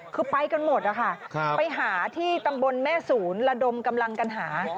คือไปกันหมดนะคะไปหาที่ตำบลแม่ศูนย์ระดมกำลังกันหา